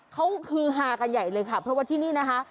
เขาฮือฮากันใหญ่เลยค่ะเพราะว่าที่นี่นะคะ